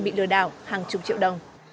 bị lừa đảo hàng chục triệu đồng